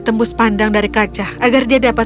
tembus pandang dari kaca agar dia dapat